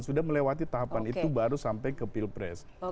sudah melewati tahapan itu baru sampai ke pilpres